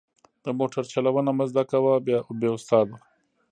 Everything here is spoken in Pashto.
د موټر چلوونه مه زده کوه بې استاده.